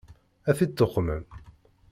Ad t-id-tuqmem?